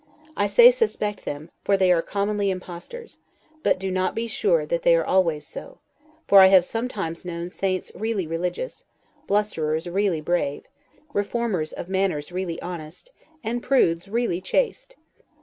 I say suspect them, for they are commonly impostors; but do not be sure that they are always so; for I have sometimes known saints really religious, blusterers really brave, reformers of manners really honest, and prudes really chaste.